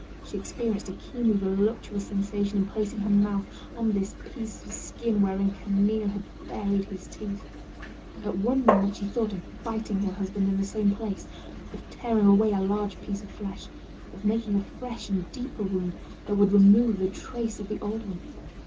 She experienced a keenly voluptuous sensation in placing her mouth on this piece of skin wherein Camille had buried his teeth. At one moment she thought of biting her husband in the same place, of tearing away a large piece of flesh, of making a fresh and deeper wound, that would remove the trace of the old one.